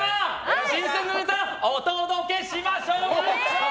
新鮮なネタお届けしましょう！